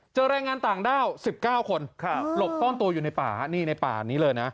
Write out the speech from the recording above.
เจอแรงงานต่างด้าว๑๙คนหลบต้องตัวอยู่ในป่านี้เลยนะ